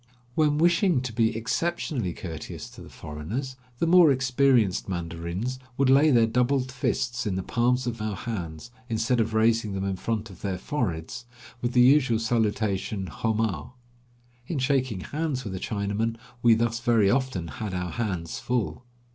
When wishing to be exceptionally courteous to "the foreigners," the more experienced mandarins would lay their doubled fists in the palms of our hands, instead of raising them in front of 160 Across Asia on a Bicycle their foreheads, with the usual salutation Homa. In shaking hands with a Chinaman we thus very often had our hands full.